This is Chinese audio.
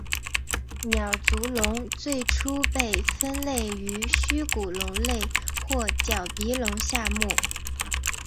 鸟足龙最初被分类于虚骨龙类或角鼻龙下目。